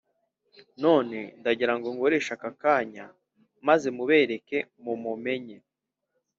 none ndagirango nkoreshe akakanya maze mubereke mumumenye.